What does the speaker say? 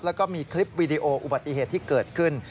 แล้วก็มีคลิปวีดีโออุบัติเหตุที่เกิดขึ้น